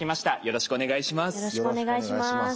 よろしくお願いします。